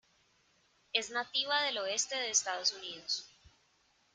Es nativa del oeste de Estados Unidos.